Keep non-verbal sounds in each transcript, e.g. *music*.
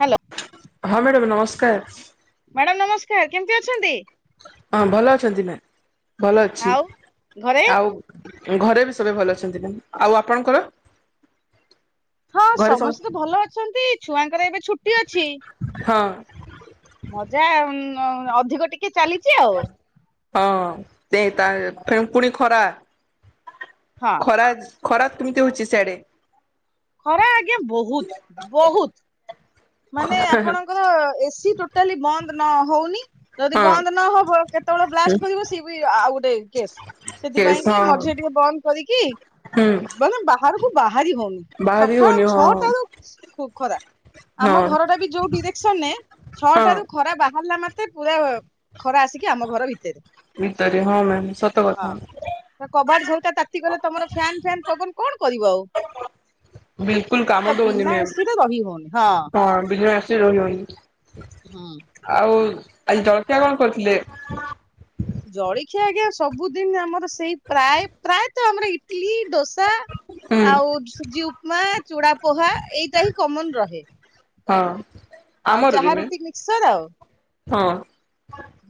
Hello. ହଁ madam ନମସ୍କାର। Madam ନମସ୍କାର କେମିତି ଅଛନ୍ତି? ହଁ ଭଲ ଅଛନ୍ତି ନା ଭଲ ଅଛି ଆଉ ଘରେ ଆଉ ଘରେ ବି ସବେ ଭଲ ଅଛନ୍ତି ନା ଆଉ ଆପଣଙ୍କର? ହଁ ଘରେ ସମସ୍ତ ସମସ୍ତେ ତ ଭଲ ଅଛନ୍ତି ଛୁଆଙ୍କର ଏବେ ଛୁଟି ଅଛି। ହଁ ମଜା ଅଧିକ ଟିକେ ଚାଲିଛି ଆଉ। ହଁ ସେ ତା ଟ୍ରେ ପୁଣି ଖରା ହଁ ଖରା ଖରାପ କେମିତି ହଉଛି ସିଆଡେ? ଖରା ଆଜ୍ଞା ବହୁତ ବହୁତ ମାନେ ହଁ ଆପଣଙ୍କର ଏସି ତୋଟା ଟାଲି ବନ୍ଦ ନ ହଉନି। ଯଦି ବନ୍ଦ ନହବ କେତେବେଳେ ବ୍ଲାଷ୍ଟ କରିବ ସିଏ ବି ଆଉ ଗୋଟେ କେସ୍। କେସ୍ ସେଥିପାଇଁ ହଁ କି ମଝି ରେ ଟିକେ ବନ୍ଦ କରିକି ହୁଁ ମାନେ ବାହାରକୁ ବାହାରି ହଉନି। ବାହାରି ହଉନି ସକାଳ ହଁ ଛଅଟା ରୁ ଖରା। ଆମ ହଁ ଘରଟା ବି ଯୋଉ ଡିରେକ୍ସନରେ ଛଅଟ ହଁ ରୁ ଖରା ବାହାରିଲା ମାତ୍ରେ ପୁରା ଖରା ଆସିକି ଆମ ଘର ଭିତ ଭିତରେ ହଁ ମ୍ୟାମ ସତ କଥା। ହଁ କବାଟ ଝରକା ତାତିଗଲେ ତମର ଫ୍ୟାନ ଫ୍ୟାନ ପବନ କଣ କରିବ ଆଉ? ବିଲକୁଲ କାମ ତ ଦଉନି ବିନା ଏସିରେ ରହି ହଉନି ହଁ। ମ୍ୟାମ ହଁ ବିଲରୁ ଆସି ରହି ହଉନି। ହୁଁ। ଆଉ ଆଜି ଜଳକିଆ କଣ କରିଥିଲେ? ଜଳଖିଆ ଆଜ୍ଞା ସବୁଦିନ ଆମର ସେଇ ପ୍ରାୟ ପ୍ରାୟତ ଆମର ଇଟଲିି ଦୋସା। ହୁଁ ଆଉ ସୁଜି ଉପମା ଚୂଡା ପୋହା ଏଇଟା ହିଁ କମନ ରହେ। ହଁ ଆଉ ଆମର ଚାହା ଦିନେ ରୁଟି ମିକ୍ସର ଆଉ। ହଁ।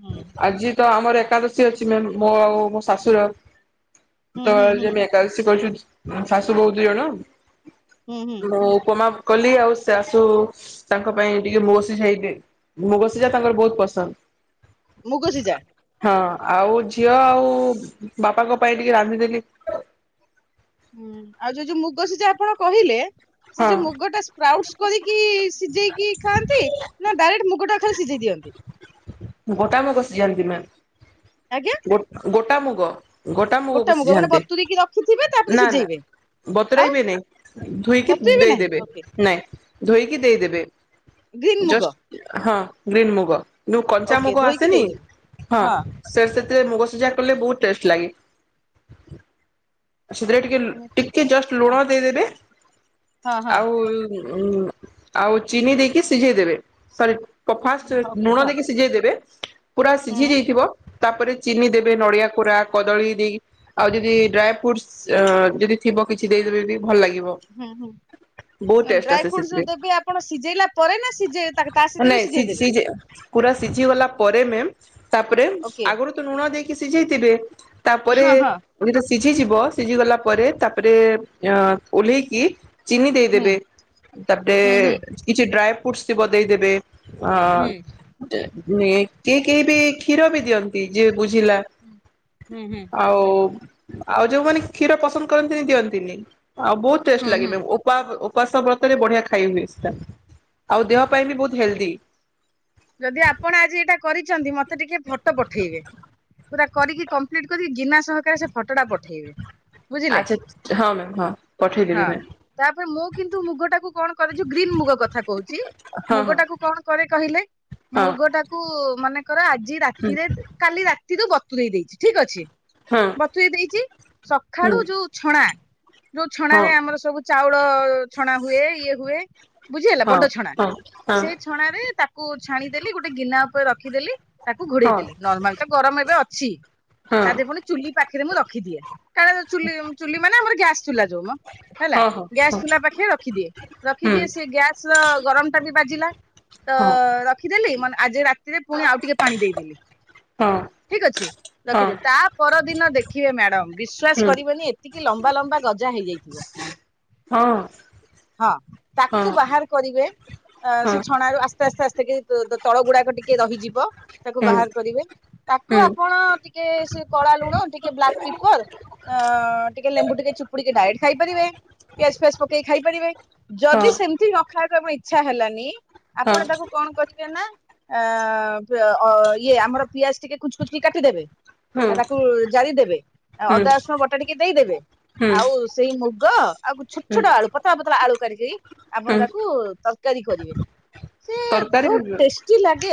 ହୁଁ। ଆଜି ତ ଆମର ଏକାଦଶୀ ଅଛି ମୋ ଆଉ ମୋ ଶାଶୁର। ହୁଁ ତ ହୁଁ ହୁଁ ଯେ ମେ ଏକାଦଶି କରି *unintelligible* ଶାଶୂ ବୋହୂ ଦିଇଜଣ ହୁଁ ହୁଁ ମୁଁ ଉପମା କଲି ଆଉ ସେ ତ ତାଙ୍କ ପାଇଁ ଟିକେ ମୁଗସିିଝାଇ *unintelligible* ମୁଗସିଝା ତାଙ୍କର ବହୁତ ପସନ୍ଦ। ମୁଗ ସିଝା? ହଁ ଆଉ ଝିଅ ଆଉ ବାପାଙ୍କ ପାଇଁ ଟିକେ ରାନ୍ଧିଦେଲି। ହୁଁ ଆଉ ଯୋଉ ଯୋଉ ମୁଗ ସିଝା ଟା ଆପଣ କହିଲେ ସେ ହଁ ଯୋଉ ମୁଗ ଟା *unintelligible* କରିକି ସିଝେଇକି ଖାଆନ୍ତି ନା ଡାଇରେକ୍ଟ ମୁଗଟା ଖାଲି ସିଝେଇ ଦିଅନ୍ତି? ଗୋଟା ମୁଗ ସିଝାନ୍ତି ନା ଆଜ୍ଞା? ଗୋ ଗୋଟା ମୁଗ ଗୋଟା ମୁଗ ମାନେ ସିଝାନ୍ତି, ବତୁରିକି ରଖିଥିବେ ତାପରେ ନା ସିଝେଇବେ ଆଉ ବତୁରେଇବେ ନାଇଁ ଧୋଇକି ବତୁରେଇବେ ନାହିଁ ଦେଇଦେବେ ଓକେ। ନା ଧୋଇକି ଦେଇଦେବେ, ଗ୍ରୀନ୍ ମୁଗ ଜଷ୍ଟ ହଁ ଗ୍ରୀନ୍ ମୁଗ। ଓକେ କଞ୍ଚାମୁଗ ଧୋଇକି ଆସେନି ଦେଇଦେବେ। ହଁ? ସେ ସେଥିରେ ମୁଗ ସିଝା କଲେ ବହୁତ ଟେଷ୍ଟ ଲାଗେ। ସେଥିରେ ଟିକେ ଉଁ, ଛି- ଟିକେ ଜଷ୍ଟ ହଁ ଲୁଣ ଦେଇଦେବେ, ହଁ ହଁ ଆଉ ଆଉ ଚିନି ଦେଇକି ସିଝେଇ ଦେବେ, ସରି ହଁ, ଓକେ ଲୁଣ ହଁ ଦେଇକି ସିଝେଇ ଦେବେ ପୁରା ସିଝି ହୁଁ ଯାଇଥିବ ତାପରେ ଚିନି ଦେବେ ହୁଁ ନଡିଆ କୋରା କଦଳୀ ଦେଇ ଆଉ ଯଦି ଡ୍ରାଏ ଫ୍ରୁଟ ଯଦି ଥିବ କିଛି ଦେଇଦେବେ ବି ଭଲ ଲାଗିବ। ହୁଁ ହୁଁ। ବହୁତ ଟେଷ୍ଟ ଡ୍ରାଇ ଆସେ ଫ୍ରୁଟ ର ସେଥିରେ। ଦେବି ଆପଣ ସିଝେଇଲା ପରେ ନା ସି ତା *unintelligible* ସି ସିଯେ ପୁରା ସିଝିଗଲା ପରେ ମ୍ୟାମ୍ ତାପରେ ଓକେ ଆଗରୁ ତ ଲୁଣ ଦେଇକି ସିଝେଇଥିବେ, ତାପରେ ହଁ ହଁ ଟ ସିଝିଯିବ ସିଝି ଗଲା ପରେ ତାପରେ ଅ ଓହ୍ଲେଇକି ଚିନି ହୁଁ ଦେଇଦେବେ ତାପରେ ହୁଁ ହୁଁ କିଛି ଡ୍ରାଏ ଫ୍ରୁଟସ ଥିବ ଦେଇଦେବେ। ଅ ହୁଁ *unintelligible* କେହି ବି କ୍ଷୀର ବି ଦିଅନ୍ତି, ଯିଏ ବୁଝିଲା। ହୁଁ ହୁଁ। ଆଉ ଆଉ ଯୋଉମାନେ କ୍ଷୀର ପସନ୍ଦ କରନ୍ତିନି ଦିଅନ୍ତିନି ଆଉ ବହୁତ ହୁଁ ଟେଷ୍ଟ ହୁଁ। ଲାଗେ। ଉପାସ ଉପାସ ବ୍ରତରେ ବଢିଆ ଖାଇ ହୁଏ, ସେଟା ଆଉ ଦେହ ପାଇଁ ବି ବହୁତ ହେଲ୍ଦି। ଯଦି ଆପଣ ଆଜି ଏଇଟା କରିଛନ୍ତି ମତେ ଟିକେ ଫଟୋ ପଠେଇବେ। ପୁରା କରିକି କମ୍ପ୍ଟ କରିକି ଗିନା ସହକାରେ ସେ ଫଟୋଟା ପଠେଇବେ। ବୁଝିଲେ ଆଚ୍ଛା ହଁ ମ୍ୟାମ ହଁ ହଁ। ପଠେଇଦବି ମ୍ୟାମ୍। ତାପରେ ମୁଁ କିନ୍ତୁ ମୁଗ ଟାକୁ କଣ କରେ ଯୋଉ ଗ୍ରୀନ୍ ମୁଗ କଥା କହୁଛି। ହଁ ମୁଗ ଟାକୁ କଣ କରେ କହିଲେ ହଁ ମୁଗଟାକୁ ମାନେ କର ଆଜି ରାତିରେ କାଲି ରାତିରୁ ବତୁରେଇ ଦେଇଛି ଠିକ ଅଛି। ହଁ ବତୁରେଇ ଦେଇଛି ସଖଳୁ ହୁଁ ଯୋଉ ଛଣା ଯୋଉ ଛଣ ହଁ ରେ ଆମର ସବୁ ଚାଉଳ ଛଣା ହୁଏ ଇଏ ହୁଏ ବୁଝିଗଲା ହୁଁ ବଡ ଛଣା, ହଁ ହଁ ହଁ ସେ ଛଣାରେ ତାକୁ ଛାଣିଦେଲି ଗୋଟେ ଗିନା ଉପରେ ରଖିଦେଲି ତାକୁ ଘୋଡେଇ ହଁ ଦେଲି ନର୍ମାଲ। ତ ଗରମ ଏବେ ଅଛି, ହଁ ହଁ ତା ଦେହ ପୁଣି ଚୁଲି ପାଖରେ ମୁଁ ରଖିଦିଏ, କାରଣ ଚୁ ଚୁଲି ମାନେ ଆମର ଗ୍ୟାସ୍ ଚୁଲା ଯୋଉମ। ହେଲା ହଁ ହଁ ହଁ ଗ୍ୟାସ ତୁଲା ପାଖେ ରଖିଦିଏ ହୁଁ ରଖିଦିଏ ସେ ଗ୍ୟାସ ଗରମ ଟା ବି ବାଜିଲା ତ ହଁ ରଖିଦେଲି ମାନେ *unintelligible* ସେରେ ପୁଣି ଆଉ ଟିକେ ପାଣି ଦେଇଦେଲି ହଁ ଠିକ ଅଛି। ହଁ ରଖିଦେଲି। ତା ପରଦିନ ଦେଖିବେ ମ୍ୟାଡମ୍ ହୁଁ ହଁ ହଁ ହଁ ହୁଁ ବିଶ୍ଵାସ ହୁଁ କରିବେନି ଏତି କି ଲମ୍ବା ଲମ୍ବା ଗଜା ହେଇଯାଇଥିବ। ହଁ। ହଁ। ହଁ ତାକୁ ହୁଁ ବାହାର କରିବେ ଅ ସେ ହୁଁ ଛଣାରୁ ଆସ୍ତେ ଆସ୍ତେ ଆସ୍ତେ କି ତଳ ଗୁଡାକ ଟିକେ ରହିଯିବ ତାକୁ ବାହାର କରିବେ। ତାକୁ ଆପଣ ଟିକେ ସେ କଳା ଲୁଣ ଟିକେ ବ୍ଲାକ୍ ପିପର ଅ ଟିକେ ଲେମ୍ବୁ ଟିକେ ଚିପୁଡିକି ଡାଇରେକ୍ଟ ଖାଇ ପାରିବେ। ପିଆଜ ଫିଆଜ ପକେଇକି। ଖାଇପାରିବେ। ଯଦି ସେମିତି ନ ଖାଇବାକୁ ଆମ ଇଚ୍ଛା ହେଲାନି, ଆପଣ ତାକୁ କଣ କରିବେ ନା, ଆ ଇଏ ଆମର ପିଆଜ ଟିକେ କୁଞ୍ଚୁ କୁଞ୍ଚ୍ କି କାଟିଦେବେ ଆ ତାକୁ ଜାରିଦେବେ। ହୁଁ ଅଦା ରସୁଣ ବଟା ଟିକେ ଦେଇଦେବେ। ହୁଁ ଆଉ ସେଇ ମୁଗ ଆଉ ଛୋଟ ହୁଁ ଛୋଟ ଆଳୁ ପ ତଳା ଆଳୁ କରିକି ଆପଣ ତାକୁ ତରକାରୀ କରିବେ। ସିଏ ତରକାରୀ ଯୋଉ ଟେଷ୍ଟି ଲାଗେ,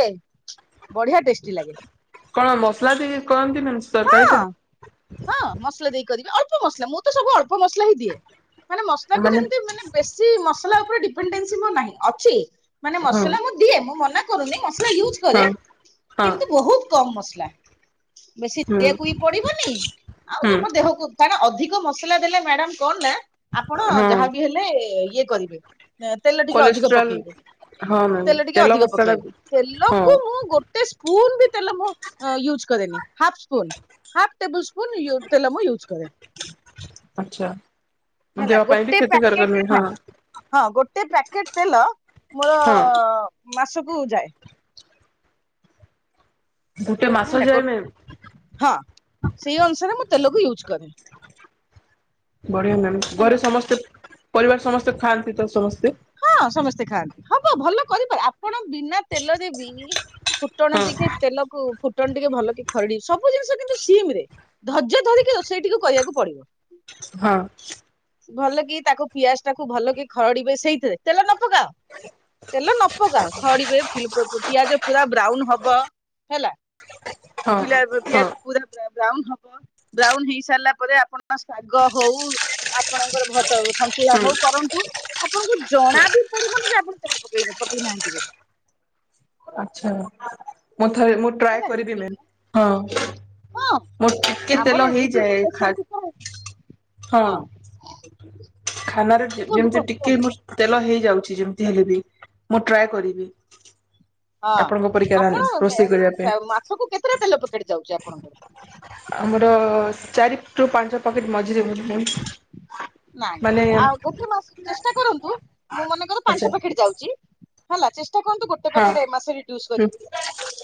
ବଢିଆ ଟେଷ୍ଟି ଲାଗେ। କଣ ମସ୍ ଲା ଦେଇକି କରନ୍ତି *unintelligible* ତରକାରୀ ହଁ ଟା। ହଁ ମସଲା ଦେଇ କରିବେ, ଅଳ୍ପ ମସଲା ମୁଁ ତ ସବୁ ଅଳ୍ପ ମସଲା ହିଁ ଦିଏ। ମାନେ ମସଲାକୁ ଯେମ୍ ମାନେ ବେଶୀ ମସଲା ଉପରେ ଡିପେଡେନ୍ସି ମୋର ନାହିଁ। ଅଛି ମାନେ ହଁ ମସଲା ମୁଁ ଦିଏ, ମୁଁ ମନା କରୁନି ମସଲା ୟୁଜ୍ କରେ। ହଁ ହଁ କିନ୍ତୁ ବହୁତ୍ କମ୍ ମସଲା। ବେଶୀ ହୁଁ *unintelligible* ବି ପଡିବନି ଆଉ ହୁଁ ତମ ଦେହକୁ କାରଣ ଅଧିକ ମସଲା ଦେଲେ ମ୍ୟାଡାମ କଣ ନା ଆପଣ ହଁ ଯାହାବି ହେଲେ ଇଏ କରିବେ। ତେଲ ଟିକେ ଅଧିକ କୋଲେଷ୍ଟ୍ରଲ୍ ପକେଇବେ। ହଁ ମ୍ୟାମ୍ ତେଲ ଟିକେ ଅଧିକ ମସଲା ପକେଇବେ। ହଁ ତେଲକୁ ମୁଁ ଗୋ ଗୋଟେ ସ୍ପୁନ୍ ବି ତେଲ ମୁଁ ୟୁଜ୍ କରେନି, half spoon. Half tablespoon ତେଲ ମୁଁ ୟୁଜ୍ କରେ। ଆଚ୍ଛା। ହେଲା, ଦେହ ପାଇଁ ବି ଗୋଟେ କ୍ଷତିକାରକ ପ୍ୟାକେଟ ନୁହେଁ ହଁ ହଁ। ଗୋଟେ ପ୍ୟାକେତ ତେଲ ମୋର ହଁ ମାସକୁ ଯାଏ। ଗୋଟେ ମାସ ହେଲା। ଗୋ, ଯାଏ ମ୍ୟାମ୍ ହଁ ସେଇ ଅନୁସାରେ ମୁଁ ତେଲକୁ ୟୁଜ୍ କରେ। ବଢିଆ ମ୍ୟାମ୍। ହେଲା ଘରେ ସମସ୍ତେ ପରିବାର ସମସ୍ତେ ଖାଆନ୍ତି ତ ସମସ୍ତେ? ହଁ ସମସ୍ତେ ଖାଆନ୍ତି। ହବ ଭଲ କରିପାରି ଆପଣ ବିନା ତେଲରେ ବି ଫୁଟଣ ହଁ ଟିକେ ତେଲକୁ ଫୁ ଟଣ ଟିକେ ଭଲ କି ଖରଡି ସବୁ ଜିନିଷ କିନ୍ତୁ ସିମ୍ ରେ ଧର୍ଯ୍ୟ ଧରିକି ରୋଷେଇ ଟିକେ କରିବାକୁ ପଡିବ। ହଁ। ଭଲ କି ତାକୁ ପିଆଜଟାକୁ ଭଲ କି ଖରଡିବେ ସେଇଥିରେ, ତେଲ ନ ପକାଅ ତେଲ ନ ପକାଅ ଖରଡିବେ, ପିଆଜ ପୁରା ବ୍ରାଉନ ହବ ହେଲା। ହଁ ପିଲା ହଁ ପିଆଜ ପୁରା ବ୍ରାଉନ ହବ ବ୍ରାଉନ ହେଇସାରିଲା ପରେ, ଆପଣ ଶାଗ ହଉ ଆପଣଙ୍କର ଭ ତ ସନ୍ତୁଳା ହୁଁ ହଉ କରନ୍ତୁ, ଆପଣଙ୍କୁ ଜଣା ବି ପଡିବନି ଯେ ଆପଣ ତେଲ ପକେଇବେ ପକେଇ ନାହାନ୍ତି ବୋଲି। ଆଚ୍ଛା। ମୁଁ ଥରେ ମୁଁ ଟ୍ରାଏ ହେଲା କରିବି ମ୍ୟାମ୍। ବିନା- ହଁ। ହଁ ମୋର ଟିକେ ଆମର ତେଲ ଏମିତି ବି ହେଇଯାଏ, ଖା ପ୍ରେସର କୁକର ହଁ। ଖାନାରେ ଯେ କୁହନ୍ତୁ ଯେମିତି କୁହନ୍ତୁ ଟିକେ କୁହନ୍ତୁ ମୋର୍ ତେଲ ହେଇଯାଉଚି ଯେମିତି ହେଲେ ବି, ମୁଁ ଟ୍ରାଏ କରିବି। ହଁ ଆପଣଙ୍କ ପରିକା ଆପଣ ରୋଷେଇ କରିବା ପାଇଁ ମାସକୁ କେତେଟା ତେଲ ପକେଟ୍ଟ୍ ଯାଉଚି ଆପଣଙ୍କର? ଆମର ଚାରି ରୁ ପାଞ୍ଚ ପକେଟ୍ ମଝିରେ *unintelligible* ନାଇଁ। ମାନେ ଆଉ ଗୋଟେ ମାସ ଚେଷ୍ଟା କରନ୍ତୁ ମୁଁ ମନେକର ଆଚ୍ଛା ପାଞ୍ଚ ପ୍ୟାକେଟ ଯାଉଚି ହେଲା। ଚେଷ୍ଟା କରନ୍ତୁ ଗୋଟେ ହଁ ପ୍ୟାକେଟ୍ ଏ ମାସରେ ରିଡ୍ୟୁସ୍ ହୁଁ କରିବି।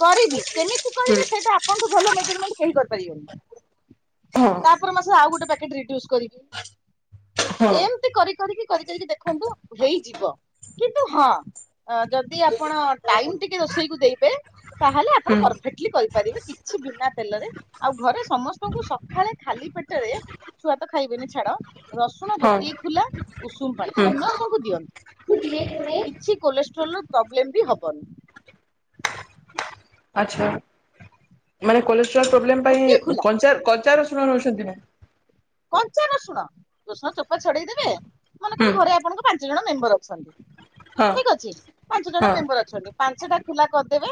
କରିବି କେମିତି ହୁଁ କରିବି ସେଇଟା ଆପଣଙ୍କଠୁ ଭଲ ମେଜରମେଣ୍ଟ କେହି କରିପାରିବେନି। ହଁ। ତାପର ମାସ ଆଉ ଗୋଟେ ପ୍ୟାକେଟ ରିଡ୍ୟୁସ କରିବି। ହଁ ଏମତି କରି କରିିକି କରି କରିିକି ଦେଖନ୍ତୁ ହେଇଯିବ କିନ୍ତୁ ହଁ ଅ ଯଦି ଆପଣ ଟାଇମ ଟିକେ ରୋଷେଇକୁ ଦେଇବେ ତାହେଲେ ଆପଣ ହୁଁ ପରଫେକ୍ଟଲି କରିପାରିବେ କି ଛି ବିନା ତେଲରେ ଆଉ ଘରେ ସମସ୍ତଙ୍କୁ ସଖାଳେ ଖାଲି ପେଟରେ ଛୁଆ ତ ଖାଇବେନି ଛାଡ। ରସୁଣ ହଁ ଗୋଟିଏ ଖୁଲା ଉଷୁମ ପାଣି ହୁଁ। ସମସ୍ତଙ୍କୁ ଦିଅନ୍ତୁ କିଛି କୋଲେଷ୍ଟ୍ରୋଲର ପ୍ରବ୍ଲେମ ବି ହବନି। ଆଚ୍ଛା ମାନେ କୋଲେଷ୍ଟ୍ରୋଲ ହୁଁ ପ୍ରୋବ୍ଲେମ ଗୋଟିଏ ପାଇଁ ଖୁଲା କଞ୍ଚା କଚା ରସୁଣ ନଉଛନ୍ତି ନା? କଞ୍ଚା ରସୁଣ ରସୁଣ ଚୋପା ଛଡେଇଦେବେ। ମନେକର ହୁଁ ଘରେ ଆପଣଙ୍କ ପାଞ୍ଚ ଜଣ ମେମ୍ବର ଅଛନ୍ତି। ହଁ ଠିକ ଅଛି ପାଞ୍ଚ ଜଣ ହଁ ମେମ୍ବର ଅଛନ୍ତି ପାଞ୍ଚଟା ଖୁଲା କରିଦେବେ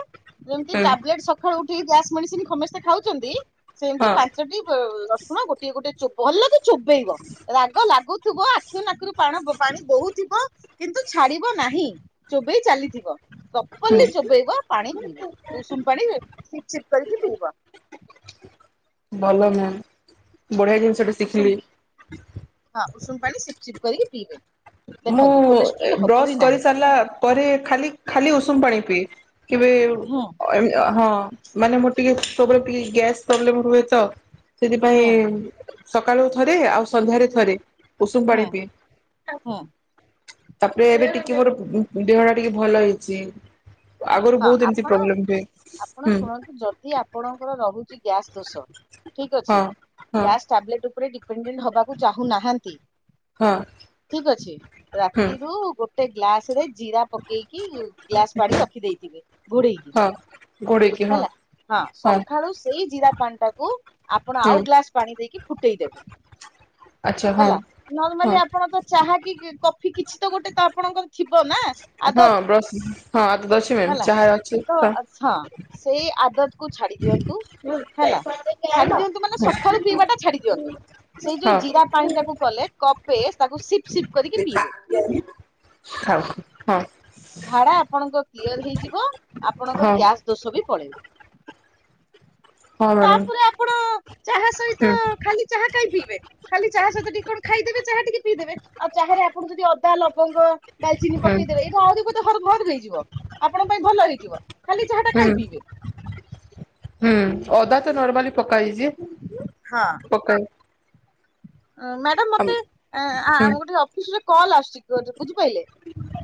ଯେମିତି ହୁଁ ଟାବଲେଟ୍ ସ ଖାଳୁ ଉଠିକି ଗ୍ୟାସ୍ ମେଡିସିନ ସମେସ୍ତେ ଖାଉଚନ୍ତି ସେମତି ହଁ ପାଞ୍ଚଟି ଅ ରସୁଣ ଗୋଟିଏ ଗୋଟେ ଚୋ ଭଲକି ଚୋବେଇବ ରାଗ ଲାଗୁଥିବ ଆଖିରୁ ନାକୁରୁ ପାଣ ପ-ପାଣି ବୋହୁଥିବ। କିନ୍ତୁ ଛାଡିବ ନାହିଁ ଚୋବେଇ ଚାଲିଥିବ ହୁଁ ପ୍ରପରଲି ଚୋବେଇବ ପାଣି ପିଇବ। ଉଷୁମ ପାଣି ଚିପ୍ ଚିପ୍ କରିକି ପିଇବ। ଭଲ ମ୍ୟାମ ବଢିଆ ଜିନିଷ୍ ଉଷୁମ ହଁ ଉଷୁମ ପାଣି ସିପ୍ ଚିପ୍ କରିକି ପିଇବେ। ମୁଁ ଦେଖନ୍ତୁ ଏ କୋଲେଷ୍ଟ୍ରୋଲ ହବ ହିଁ ବ୍ରସ ନାହିଁ କରିସାରିଲା ପରେ ଖାଲି ଖାଲି ଉଷୁମ ପାଣି ପିଏ। କେବେ ହୁଁ ଏମ୍ ଅ ହଁ। ମାନେ ମୋର ଟିକେ ସବୁବେଳେ ଟିକେ ଗ୍ୟାସ୍ ପ୍ରୋବ୍ଲେମ ହୁଏ ତ ହୁଁ ସେଥିପାଇଁ ସକାଳୁ ଥରେ ଆଉ ସନ୍ଧ୍ୟାରେ ଥରେ ଉଷୁମ ପାଣି ପିଏ। ହଁ। ତାପରେ ଏବେ ଟିକେ ମୋର ଉ ଦେହ ଟା ଟିକେ ଭଲ ହେଇଚି। ଆଗୁରୁ ହଁ ବହୁତ ଏମିତି ପ୍ରୋବ୍ଲେମ ହୁଏ ହୁଁ। ଦି ଆପଣଙ୍କର ରହୁଚି ଗ୍ୟାସ୍ ଦୋଷ ଠିକ୍ ଅଛି ହଁ ହଁ। ଗ୍ୟାସ୍ ଟାବେଲେଟ୍ ଉପରେ ଡିପେଣ୍ଡେଣ୍ଟ ହବାକୁ ଚାହୁଁନାହାନ୍ତି। ହଁ ଠିକ୍ ଅଛି ହୁଁ ରାତିରୁୁ ଗୋଟେ ଗ୍ଲାସ ରେ ଜିରା ପକେଇକି ଗ୍ଲାସ ପାଣି ରଖି ଦେଇଥିବେ ଘୋଡେଇକି। ଘୋଡ଼େଇକି ହଁ। ହେଲା ହଁ ସଖାଳୁ ସେଇ ଜିରା ପାଣିଟାକୁ ଆପଣ ଆଉ ହୁଁ ଗ୍ଲାସ ପାଣି ଦେଇକି ଫୁଟେଇ ଦେବେ ଆଚ୍ଛା ହଁ। ହେଲା ନର୍ମାଲି ହଁ ଆ ପଣ ତ ଚାହା କି ଇ କଫି କିଛି ତ ଗୋଟେ ତ ଆପଣଙ୍କର ଥିବ ନା ହଁ ଆଦତ ବ୍ରସ ହଁ ବ୍ରସ ହେଲା ତ ହଁ ସେଇ ଆଦତ କୁ ଛାଡି ଦିଅନ୍ତୁ ହଁ। ଥାଉ ହେଲା ହଁ ହଁ ହଁ ମ୍ୟାଡ଼ାମ। ଛାଡି ଦିଅନ୍ତୁ ମାନେ ହୁଁ ହୁଁ ସଖାଳୁ ପିଇବା ଟା ଛାଡି ଦିଅନ୍ତୁ। ସେଇ ଯୋଉ ଜିରା ପାଣି ଟାକୁ କଲେ କପେ ତାକୁ ସିପ୍ ସିପ୍ କରିକି ପିଇବେ। ହଁ ହଁ। ଝାଡା ଆପଣଙ୍କ କ୍ଲିଅର ହେଇଯିବ ଆପଣଙ୍କର ଗ୍ୟାସ ଦୋଷ ବି ପଳେଇବ। ତାପରେ ଆପଣ ଚାହା ସହିତ ଖାଲି ଚାହା କାଇଁ ପିଇବେ? ଖାଲି ଚାହା ସହିତ ଟିକେ କଣ ଖାଇଦେବେ ଚାହା ଟିକେ ପିଇଦେବେ ଆଉ ଚାହା ରେ ଆପଣ ଯଦି ଅଦା, ଲବଙ୍ଗ ଡାଲଚିନି ପକେଇଦେବେ ଏଇତ ଆହୁରି ଗୋଟେ ହଡ୍ ଭର ହେଇଯିବ। ଆପଣଙ୍କ ପାଇଁ ଭଲ ହେଇଯିବ। ଖାଲି ଚାହା ଟା କାଇଁ ପିଇବେ। ହୁଁ, ଅଦା ତ ନର୍ମାଲି ପକହେଇଛି। ହଁ ପକା ମ୍ୟାଡାମ ମତେ ଆଁ ଆମ ଗୋଟେ ଅଫିସରେ କଲ୍ ଆସୁଛି। ବୁଝିପାଇଲେ,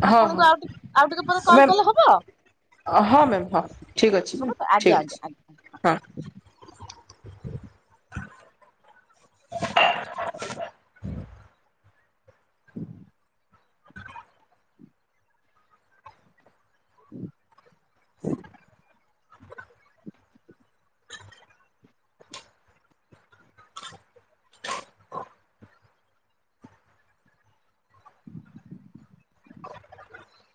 ହଁ ହଁ ଆପଣଙ୍କୁ ଆଉ ଟିକ ଆଉ ଟିକେ ପରେ କଲ ମ୍ୟାମ୍ କଲେ ହବ? ହଁ ମ୍ୟାମ୍ ହଁ, ଠିକ୍ ଅଛି। ହବ ତ ଆଜ୍ଞା ଠିକ୍ ଆଜ୍ଞା ଅଛି। ଆଜ୍ଞା। ହଁ। *inaudible* *inaudible* *inaudible* *inaudible*